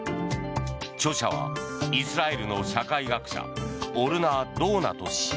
著者はイスラエルの社会学者オルナ・ドーナト氏。